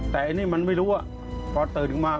แต่ไอ้นี่มันไม่รู้ว่าพอตื่นออกมา